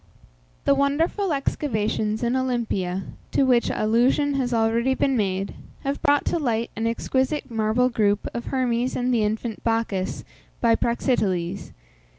The wonderful excavations in Olympia, to which allusion has already been made, have brought to light an exquisite marble group of Hermes and the infant Bacchus, by Praxiteles.